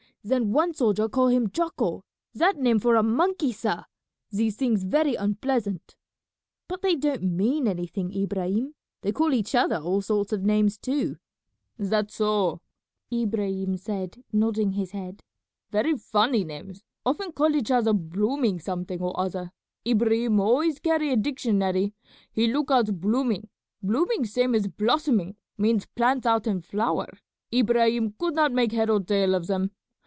Then one soldier call him Jocko; that name for a monkey, sah; these things very unpleasant." "But they don't mean anything, Ibrahim. They call each other all sorts of names too." "That so," Ibrahim said, nodding his head, "very funny names; often call each other blooming something or other. Ibrahim always carry a dictionary; he look out blooming; blooming same as blossoming, means plants out in flower. Ibrahim could not make head or tail of them.